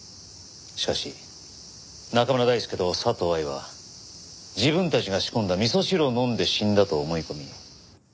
しかし中村大輔と佐藤愛は自分たちが仕込んだ味噌汁を飲んで死んだと思い込み。